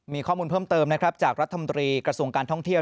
มีข้อมูลเพิ่มเติมจากรัฐธรรมดรีกระทรวงการท่องเที่ยว